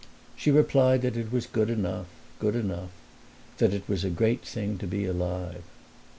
She replied that it was good enough good enough; that it was a great thing to be alive.